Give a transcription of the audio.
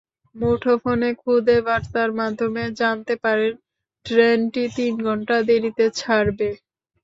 মুঠোফোনে খুদে বার্তার মাধ্যমে জানতে পারেন, ট্রেনটি তিন ঘণ্টা দেরিতে ছাড়বে।